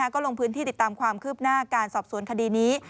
ก็ลงพื้นที่ติดตามความคืบหน้าการสอบสวนคดีนี้